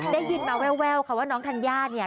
ได้ยินมาแววค่ะว่าน้องธัญญาเนี่ย